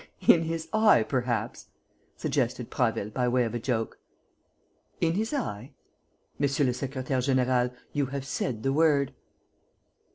"In his eye, perhaps?" suggested Prasville, by way of a joke.... "In his eye? Monsieur le secrétaire; général, you have said the word."